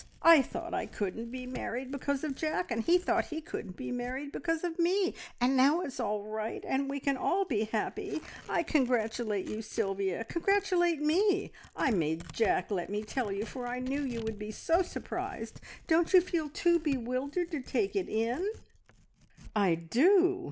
I thought I couldn't be married because of Jack, and he thought he couldn't be married because of me, and now it's all right, and we can all be happy. I congratulate you, Sylvia! Congratulate me! I made Jack let me tell you, for I knew you would be so surprised. Don't you feel too bewildered to take it in?" "I do!"